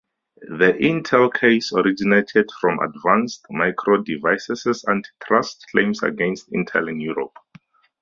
The "Intel" case originated from Advanced Micro Devices's antitrust claims against Intel in Europe.